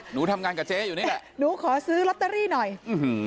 หนูทำงานกับเจ๊อยู่นี่แหละหนูขอซื้อลอตเตอรี่หน่อยอื้อหือ